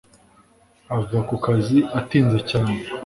ava kukazi atinze cyane